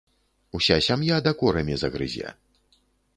Уся сям'я дакорамі загрызе.